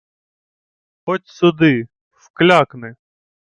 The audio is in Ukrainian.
— Ходь сюди... Вклякни.